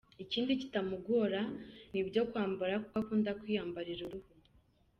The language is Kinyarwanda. Ikindi kitamugora ni ibyo kwambara kuko akunda kwiyambarira uruhu.